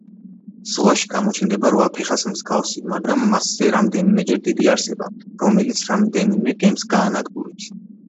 ზღვაში გამოჩნდება რვაფეხას მსგავსი, მაგრამ მასზე რამდენიმეჯერ დიდი არსება, რომელიც რამდენიმე გემს გაანადგურებს.